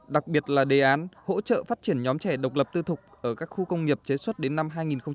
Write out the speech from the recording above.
đặc biệt là đề án hỗ trợ phát triển nhóm trẻ độc lập tư thục ở các khu công nghiệp chế xuất đến năm hai nghìn hai mươi